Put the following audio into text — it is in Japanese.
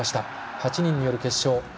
８人による決勝。